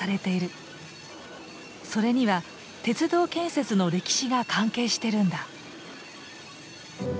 それには鉄道建設の歴史が関係してるんだ。